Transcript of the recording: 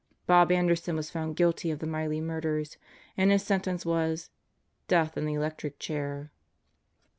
Bob Anderson was found guilty of the Miley murders, and his sentence was: "Death in the electric chair."